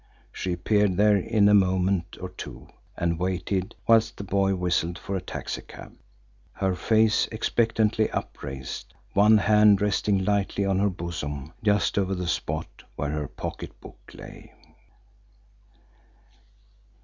She appeared there in a moment or two and waited whilst the boy whistled for a taxicab, her face expectantly upraised, one hand resting lightly on her bosom, just over the spot where her pocketbook lay.